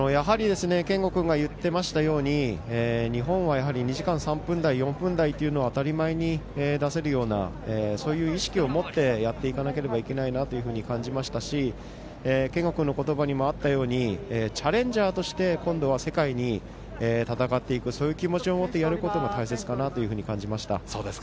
健吾君が言っていたように日本はやはり２時間３分台、４分台というの当たり前に出せるようなそういう意識を持ってやっていかなければならないなと感じましたし、健吾君の言葉にあったように、チャレンジャーとして今度は世界に戦っていく、そういう気持ちを持って、やることが大切かなと感じました。